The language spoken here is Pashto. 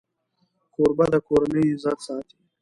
کوربه د کورنۍ عزت ساتي.